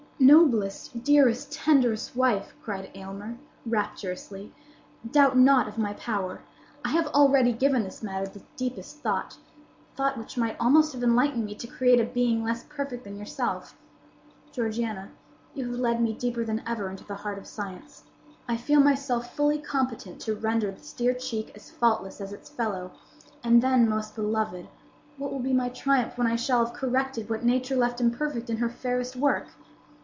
"Noblest, dearest, tenderest wife," cried Aylmer, rapturously, "doubt not my power. I have already given this matter the deepest thought—thought which might almost have enlightened me to create a being less perfect than yourself. Georgiana, you have led me deeper than ever into the heart of science. I feel myself fully competent to render this dear cheek as faultless as its fellow; and then, most beloved, what will be my triumph when I shall have corrected what Nature left imperfect in her fairest work!